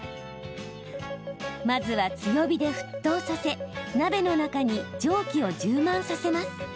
まずは強火で沸騰させ鍋の中に蒸気を充満させます。